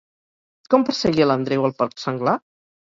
Com perseguia l'Andreu el porc senglar?